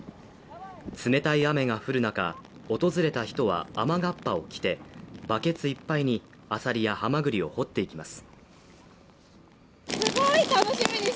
冷たい雨が降る中、訪れた人は雨がっぱを着てバケツいっぱいにアサリやハマグリを掘っていきます。